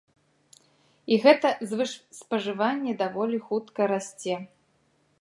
І гэта звышспажыванне даволі хутка расце.